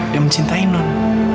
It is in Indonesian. yang mencintai nong